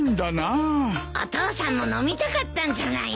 お父さんも飲みたかったんじゃないの？